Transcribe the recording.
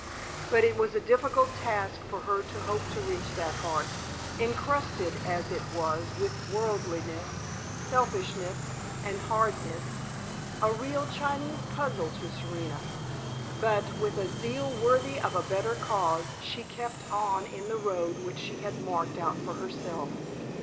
But it was a difficult task for her to hope to reach that heart, incrusted as it was with worldliness, selfishness, and hardness a real Chinese puzzle to Serena but, with a zeal worthy of a better cause, she kept on in the road which she had marked out for herself.